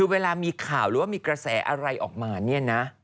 เวลามีข่าวหรือว่ามีกระแสอะไรออกมาเนี่ยนะ